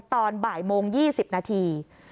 ตอนบ่ายโมง๒๐นาที